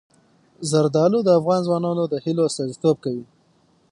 زردالو د افغان ځوانانو د هیلو استازیتوب کوي.